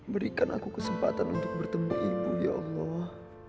berikan aku kesempatan untuk bertemu ibu ya allah